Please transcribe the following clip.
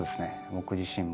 僕自身も。